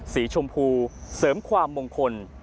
สีชมพูเสริมความมงคล